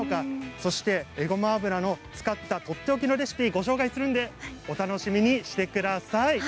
そして、えごま油を使ったとっておきのレシピをご紹介するのでお楽しみにしてください。